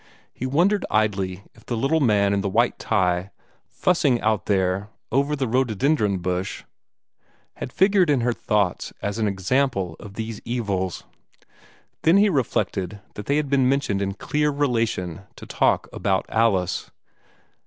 He wondered idly if the little man in the white tie, fussing out there over that rhododendron bush, had figured in her thoughts as an example of these evils. Then he reflected that they had been mentioned in clear relation to talk about Alice.